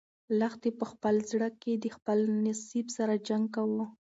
لښتې په خپل زړه کې د خپل نصیب سره جنګ کاوه.